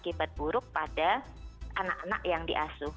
akibat buruk pada anak anak yang diasuh